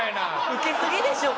受けすぎでしょ